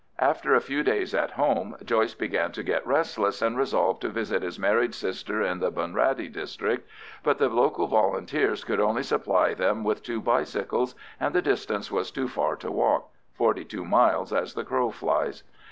After a few days at home Joyce began to get restless, and resolved to visit his married sister in the Bunrattey district; but the local Volunteers could only supply them with two bicycles, and the distance was too far to walk—forty two miles as the crow flies.